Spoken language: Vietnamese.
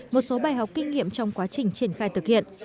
một số bài học kinh nghiệm trong quá trình triển khai thực hiện